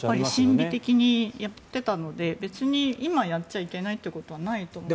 審美的にやっていたので別に今やっちゃいけないということはないと思います。